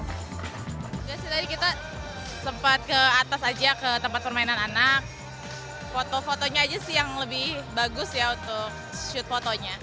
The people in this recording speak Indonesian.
enggak sih tadi kita sempat ke atas aja ke tempat permainan anak foto fotonya aja sih yang lebih bagus ya untuk shoot fotonya